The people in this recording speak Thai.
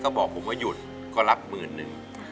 ก็บอกผมว่าหยุดก็รับหมื่นหนึ่ง